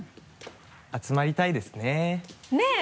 集まりたいですね。ねぇ！